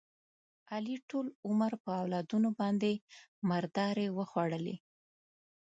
علي ټول عمر په اولادونو باندې مردارې وخوړلې.